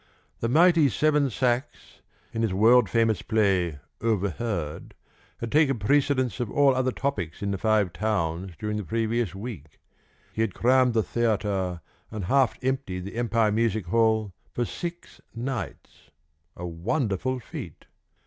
The mighty Seven Sachs, in his world famous play, "Overheard," had taken precedence of all other topics in the Five Towns during the previous week. He had crammed the theatre and half emptied the Empire Music Hall for six nights; a wonderful feat.